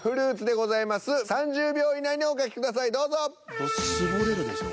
これ絞れるでしょ。